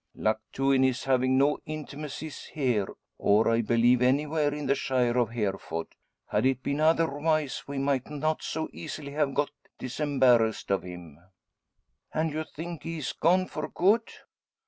Luck too, in his having no intimacies here, or I believe anywhere in the shire of Hereford. Had it been otherwise, we might not so easily have got disembarrassed of him." "And you do think he has gone for good?"